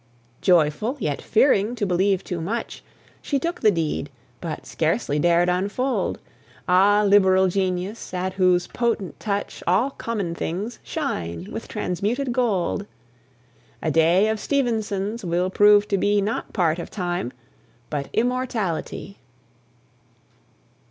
Joyful, yet fearing to believe too much, She took the deed, but scarcely dared unfold. Ah, liberal Genius! at whose potent touch All common things shine with transmuted gold! A day of Stevenson's will prove to be Not part of Time, but Immortality.